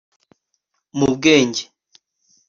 mu bwenge